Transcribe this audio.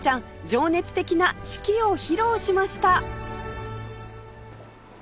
情熱的な指揮を披露しました！